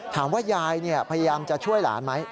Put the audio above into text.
ยายพยายามจะช่วยหลานไหม